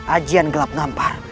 ajian gelap nampar